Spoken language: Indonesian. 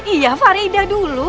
iya farida dulu